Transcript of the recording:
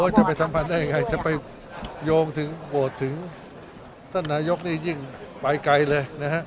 จะไปสัมพันธ์ได้ยังไงจะไปโหวตเถ้านายกยิ่งไปไกลเลย